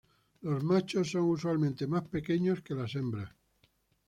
Los machos son usualmente más pequeños que las hembras.